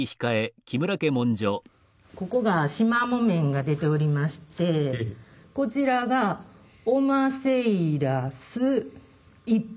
ここが縞木綿が出ておりましてこちらが「おませいらす一疋」。